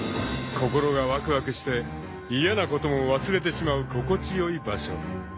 ［心がわくわくして嫌なことも忘れてしまう心地よい場所］